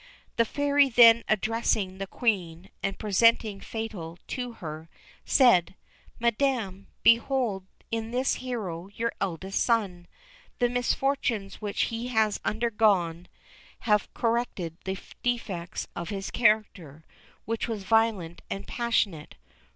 The Fairy then addressing the Queen, and presenting Fatal to her, said, "Madam, behold in this hero your eldest son; the misfortunes which he has undergone have corrected the defects of his character, which was violent and passionate.